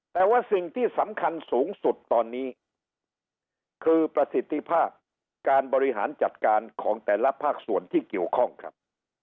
แต่ว่าสิ่งที่สำคัญสูงสุดตอนนี้คือประสิทธิภาพการบริหารจัดการของแต่ละภาคส่วนที่เกี่ยวข้องครับ